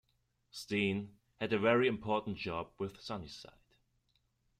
Stein had a very important job with Sunnyside.